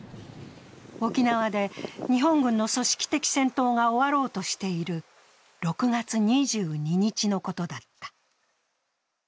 沖縄で日本軍の組織的戦闘が終わろうとしている６月２２日のことだった。